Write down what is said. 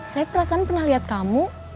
saya perasan pernah liat kamu